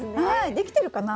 できてるかな？